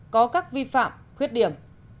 có các vi phạm khuyết điểm